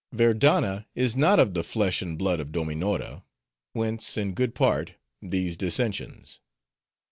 —Verdanna is not of the flesh and blood of Dominora, whence, in good part, these dissensions."